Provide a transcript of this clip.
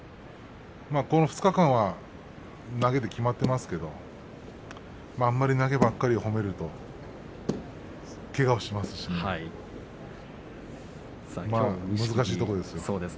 この２日間は投げできまっていますけれどあんまり投げばかりを褒めるとけがをしますし難しいところです。